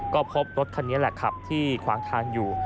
ก็พบรถคันนี้แหละขับที่ขวางทางอยู่